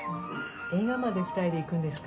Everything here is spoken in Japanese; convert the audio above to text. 映画まで２人で行くんですか？